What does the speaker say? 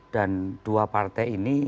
dan dua partai ini